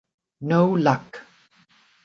No luck!